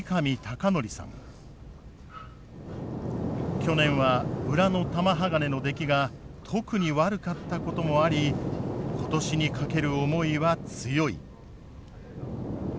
去年は裏の玉鋼の出来が特に悪かったこともあり今年にかける思いは強い。